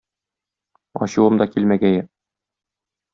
Ачуым да килмәгәе!